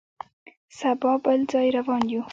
سبا بل ځای روان یو.